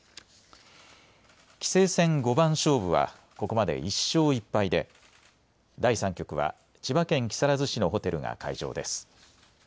棋聖戦五番勝負はここまで１勝１敗で第３局は千葉県木更津市のホテルが会場です。